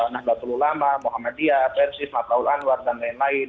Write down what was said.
nahlatul ulama muhammadiyah fersis maqlaul anwar dan lain lain